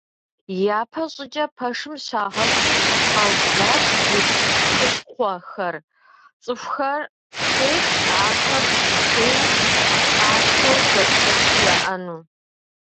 Япэ щӏыкӏэ пэшым щагъэкӏыу къаублащ удз хущхъуэхэр, цӏыхухэр хуейт ахэр щыхуейм къащтэу дапщэщи яӏэну.